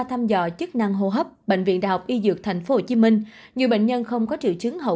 thăm dò chức năng hô hấp bệnh viện đại học y dược tp hcm nhiều bệnh nhân không có triệu chứng học